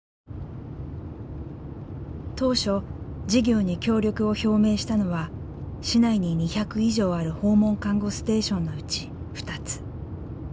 当初事業に協力を表明したのは市内に２００以上ある訪問看護ステーションのうち２つ。